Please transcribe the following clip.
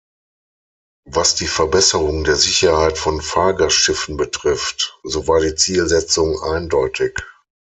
Was die Verbesserung der Sicherheit von Fahrgastschiffen betrifft, so war die Zielsetzung eindeutig.